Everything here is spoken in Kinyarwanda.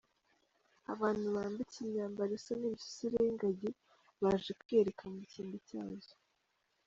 Abantu bambitse imyambaro isa n’imisusire y’ingagi baje kwiyereka mu kimbo cyazo.